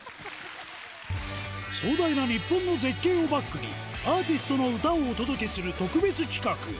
壮大な日本の絶景をバックに、アーティストの歌をお届けする特別企画。